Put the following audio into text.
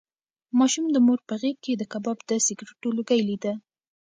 ماشوم د مور په غېږ کې د کباب د سګرټو لوګی لیده.